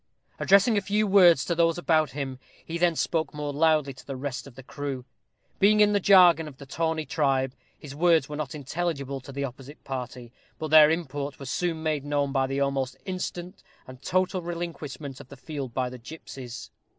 Addressing a few words to those about him, he then spoke more loudly to the rest of the crew. Being in the jargon of the tawny tribe, his words were not intelligible to the opposite party; but their import was soon made known by the almost instant and total relinquishment of the field by the gipsies.